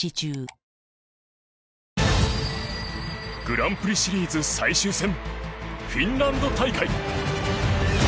グランプリシリーズ最終戦フィンランド大会。